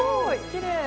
きれい！